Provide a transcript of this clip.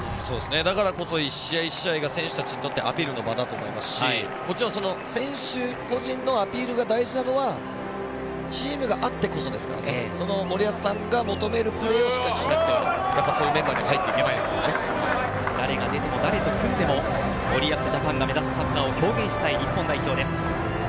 だからこそ１試合１試合が選手たちにとってアピールの場だと思いますしもちろん選手個人のアピールが大事なのはチームがあってこそなので森保さんが求めるプレーをしっかりしないとそういうメンバーに誰が出ても、誰と組んでも森保ジャパンが目指すサッカーを表現したい日本代表です。